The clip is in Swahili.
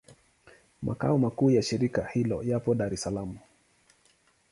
Makao makuu ya shirika hilo yapo Dar es Salaam.